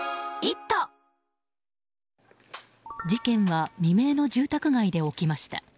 事件は未明の住宅街で起きました。